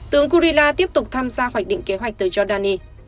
tướng gurila tiếp tục tham gia hoạch định kế hoạch tới jordani